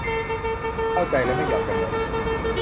เข้าใจและไม่ยอมจำนน